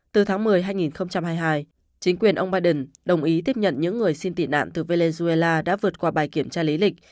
từ tháng một mươi hai nghìn hai mươi hai chính quyền ông biden đồng ý tiếp nhận những người xin tị nạn từ venezuela đã vượt qua bài kiểm tra lý lịch